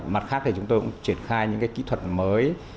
mặt khác thì chúng tôi cũng triển khai những kỹ thuật mới